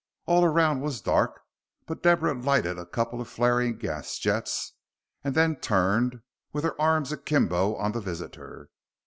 All around was dark, but Deborah lighted a couple of flaring gas jets, and then turned, with her arms akimbo, on the visitor.